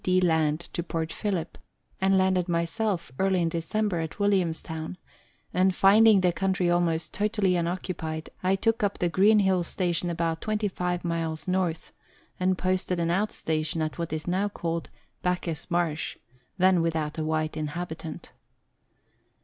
D. Land for Port Phillip, and landed myself, early in December, at Williamstown, and finding the country almost totally unoccupied, I took up the Greenhill Station about 25 miles north, and posted an out station at what is now called Bacchus Marsh then without a white inhabitant.